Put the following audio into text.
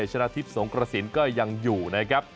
ชนะทิพย์สงกระสินก็ยังอยู่นะครับ